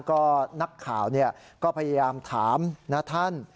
ก็นักข่าวก็พยายามถามนะท่าน